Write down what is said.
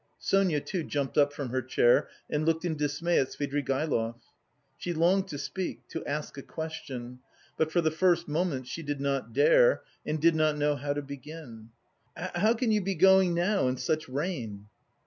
Sonia too jumped up from her chair and looked in dismay at Svidrigaïlov. She longed to speak, to ask a question, but for the first moments she did not dare and did not know how to begin. "How can you... how can you be going now, in such rain?"